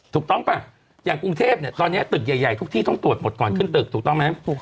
ถูกต้องป่ะอย่างกรุงเทพเนี่ยตอนนี้ตึกใหญ่ทุกที่ต้องตรวจหมดก่อนขึ้นตึกถูกต้องไหม